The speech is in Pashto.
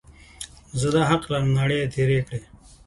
زه دا حق لرم، ناړې یې تېرې کړې.